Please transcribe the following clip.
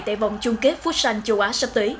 tại vòng chung kết phút sành châu á sắp tới